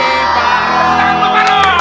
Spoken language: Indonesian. hidup pak roy